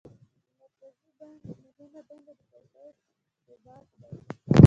د مرکزي بانک مهمه دنده د پیسو ثبات دی.